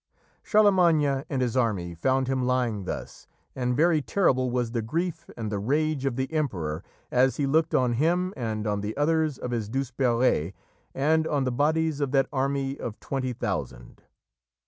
Charlemagne and his army found him lying thus, and very terrible were the grief and the rage of the Emperor as he looked on him and on the others of his Douzeperes and on the bodies of that army of twenty thousand.